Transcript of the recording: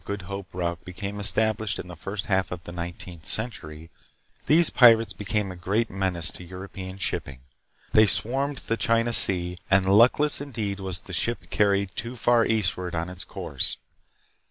Good Hope route became established in the first half of the nineteenth century, these pirates became a great menace to European shipping. They swarmed the China Sea, and luckless indeed was the ship carried too far east ward on its course.